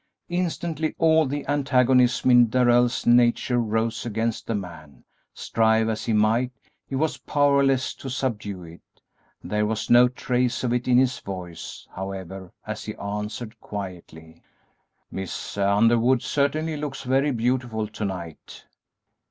Instantly all the antagonism in Darrell's nature rose against the man; strive as he might, he was powerless to subdue it. There was no trace of it in his voice, however, as he answered, quietly, "Miss Underwood certainly looks very beautiful to night."